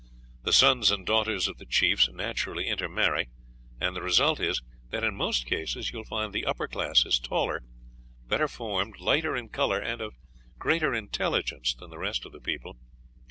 "The sons and daughters of the chiefs naturally intermarry, and the result is that in most cases you will find the upper classes taller, better formed, lighter in color, and of greater intelligence than the rest of the people.